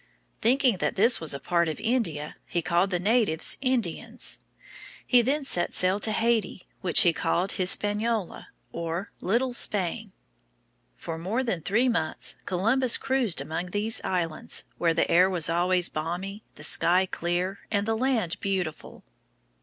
Thinking that this was a part of India, he called the natives Indians. He then sailed to Haiti, which he called Hispaniola, or "Little Spain." For more than three months Columbus cruised among these islands, where the air was always balmy, the sky clear, and the land beautiful.